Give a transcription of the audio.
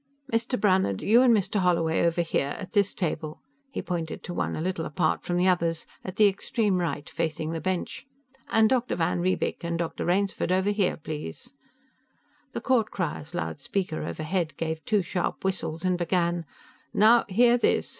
"Mr. Brannhard, you and Mr. Holloway over here, at this table." He pointed to one a little apart from the others, at the extreme right facing the bench. "And Dr. van Riebeek, and Dr. Rainsford over here, please." The court crier's loud speaker, overhead, gave two sharp whistles and began: "Now hear this!